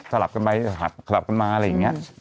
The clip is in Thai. ลับกันไปหักสลับกันมาอะไรอย่างนี้